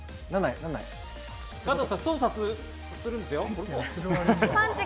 加藤さん、操作するんですよ。